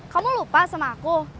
kamu lupa sama aku